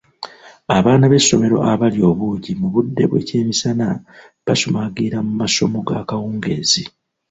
Abaana b'essomero abalya obuugi mu budde bw'ekyemisana basumagirira mu masomo g'akawungeezi.